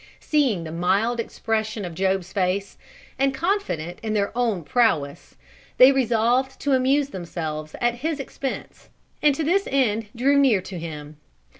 Seeing the mild expression of Job's face, and confident in their own prowess, they resolved to amuse themselves at his expense, and to this end drew near to him.